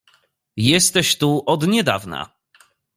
"Jesteś tu od niedawna."